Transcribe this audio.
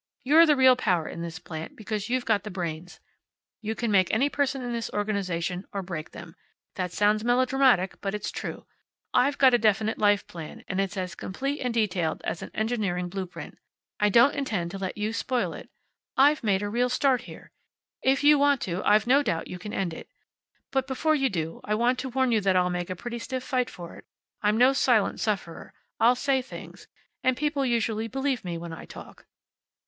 You're the real power in this plant, because you've the brains. You can make any person in this organization, or break them. That sounds melodramatic, but it's true. I've got a definite life plan, and it's as complete and detailed as an engineering blue print. I don't intend to let you spoil it. I've made a real start here. If you want to, I've no doubt you can end it. But before you do, I want to warn you that I'll make a pretty stiff fight for it. I'm no silent sufferer. I'll say things. And people usually believe me when I talk."